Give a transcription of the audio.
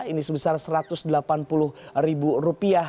ini sebesar rp satu ratus delapan puluh